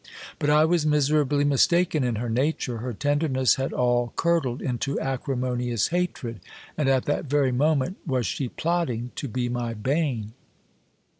But I was miserably mistaken in her nature. Her tenderness had all curdled into acrimonious hatred ; and at that very moment was she plotting to be my bane.